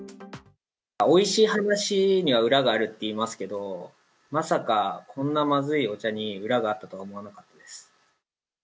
おいしい話には裏があるっていいますけど、まさかこんなまずいお茶に、裏があったとは思わなかったです。